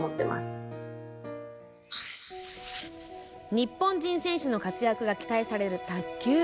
日本人選手の活躍が期待される卓球。